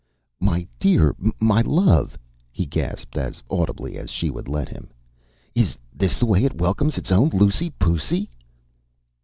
“My dear! my love!” he gasped, as audibly as she would let him, “is this the way it welcomes its own Lucy pucy?